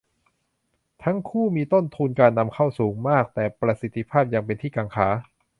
ทั้งคู่มีต้นทุนการนำเข้าสูงมาก แต่ประสิทธิภาพยังเป็นที่กังขา